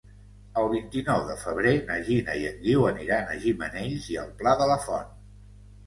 El vint-i-nou de febrer na Gina i en Guiu aniran a Gimenells i el Pla de la Font.